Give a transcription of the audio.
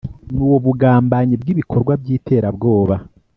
n’ubugambanyi bw’ibikorwa by’iterabwoba